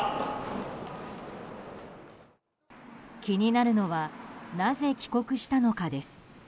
気になるのはなぜ帰国したのかです。